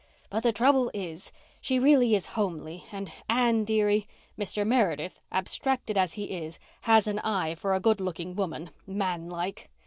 But the trouble is, she really is homely and, Anne dearie, Mr. Meredith, abstracted as he is, has an eye for a good looking woman, man like.